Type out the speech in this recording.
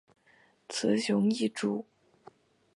雄雌异株。